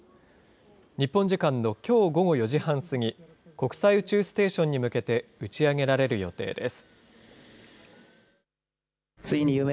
日本時間のきょう午後４時半過ぎ、国際宇宙ステーションに向けて打ち上げられる予定です。